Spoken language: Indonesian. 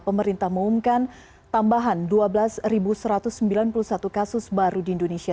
pemerintah mengumumkan tambahan dua belas satu ratus sembilan puluh satu kasus baru di indonesia